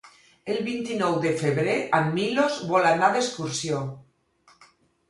El vint-i-nou de febrer en Milos vol anar d'excursió.